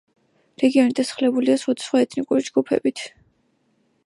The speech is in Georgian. რეგიონი დასახლებულია სხვადასხვა ეთნიკური ჯგუფებით.